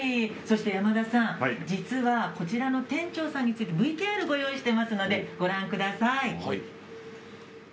そして、山田さん実は、こちらの店長さんについてＶＴＲがございますのでご覧ください。